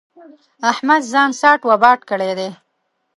احمد ځان ساټ و باټ کړی دی.